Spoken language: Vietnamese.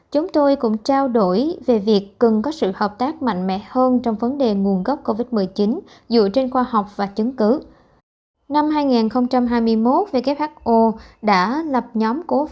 chúng tôi cũng trao đổi về việc cần có nỗ lực tích cực trong chiến dịch vaccine để tiêm chủng bảy mươi người dân toàn cầu